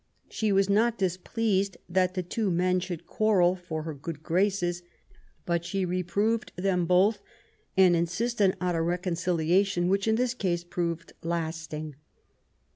She was not dis pleased that two young men should quarrel for her good graces ; but she reproved them both, and insisted on a reconciliation, which in this case proved lasting.